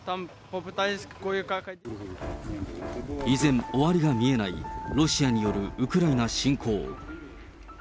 依然、終わりが見えないロシアによるウクライナ侵攻。